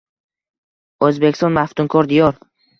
O‘zbekiston – maftunkor diyor